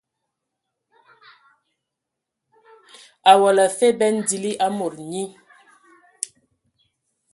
Awɔla afe bɛn dili a mod nyi.